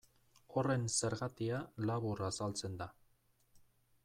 Horren zergatia labur azaltzen da.